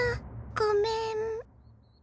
ごめん。